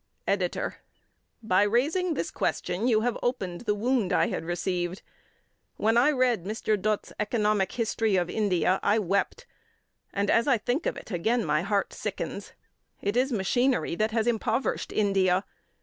EDITOR: By raising this question, you have opened the wound I had received. When I read Mr. Dutt's Economic History of India I wept; and, as I think of it, again my heart sickens. It is machinery that has impoverished India.